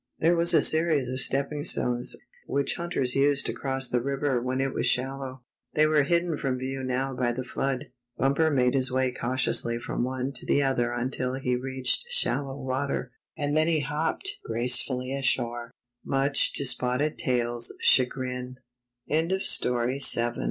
There was a series of stepping stones, which hunters used to cross the river when it was shal low. They were hidden from view now by the flood. Bumper made his way cautiously from one to the other until he reached shallow water, and then he hopped gracefully a